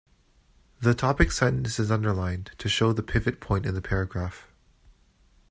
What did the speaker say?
The topic sentence is underlined, to show the pivot point in the paragraph.